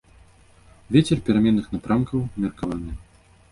Вецер пераменных напрамкаў умеркаваны.